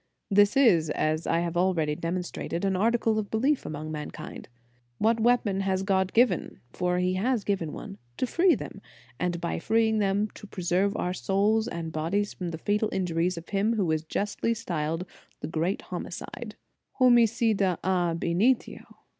This is, as I have already demonstrated, an article of belief among mankind. What weapon has God given (for He has given one) to free them, and by freeing them, to preserve our souls and bodies from the fatal injuries of him who is justly styled the great Homicide, Homi ddaabimtio?